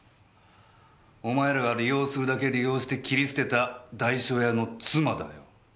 お前らが利用するだけ利用して切り捨てた代書屋の妻だよ。